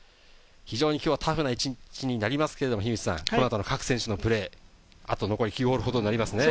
非常に今日はタフな１日になりますけれど、この後の各選手のプレー、あと残り９ホールほどになりますね。